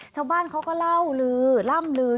ชาวบ้านเขาก็เล่าลือล่ำลือ